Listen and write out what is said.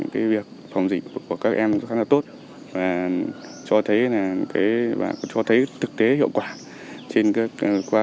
cái việc phòng dịch của các em rất là tốt và cho thấy thực tế hiệu quả